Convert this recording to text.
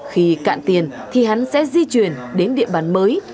khi cạn tiền thì hắn sẽ di chuyển đến địa bàn mới